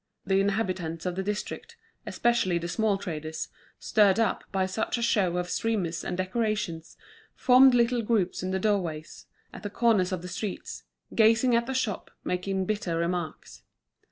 The inhabitants of the district, especially the small traders, stirred up by such a show of streamers and decorations, formed little groups in the doorways, at the corners of the streets, gazing at the shop, making bitter remarks.